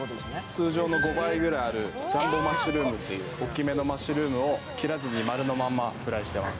通常の５倍ぐらいあるジャンボマッシュルームというマッシュルームを切らずに丸のまま出しております。